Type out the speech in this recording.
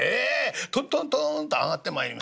トントントンと上がってまいります。